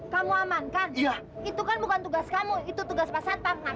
kamu amankan itu kan bukan tugas kamu itu tugas pak satpam